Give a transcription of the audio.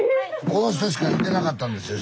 この人しかいてなかったんですよ。